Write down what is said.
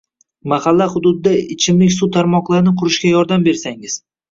Mahalla hududida ichimlik suv tarmoqlarini qurishga yordam bersangiz.